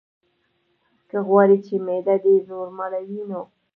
که غواړې چې معده دې نورماله وي نو: